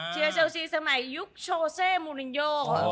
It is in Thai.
เชียร์เชลสีก็สมัยนฤทยุคโชแซมูรินโย